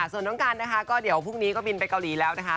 ส่วนน้องกันนะคะก็เดี๋ยวพรุ่งนี้ก็บินไปเกาหลีแล้วนะคะ